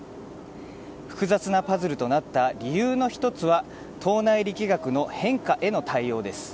複雑なパズルとなった理由の一つは党内力学の変化への対応です。